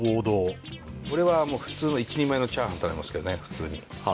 俺は普通の１人前のチャーハン食べますけどね普通に。